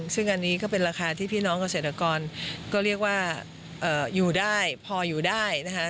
ซึ่งอันนี้ก็เป็นราคาที่พี่น้องเกษตรกรก็เรียกว่าอยู่ได้พออยู่ได้นะคะ